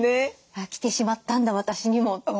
来てしまったんだ私にもって。